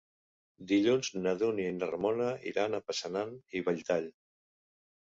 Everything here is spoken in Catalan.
Dilluns na Dúnia i na Ramona iran a Passanant i Belltall.